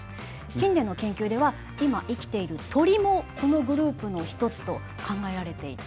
近年の研究では今生きている鳥もこのグループの一つと考えられていて。